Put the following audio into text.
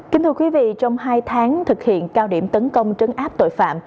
kính thưa quý vị trong hai tháng thực hiện cao điểm tấn công trấn áp tội phạm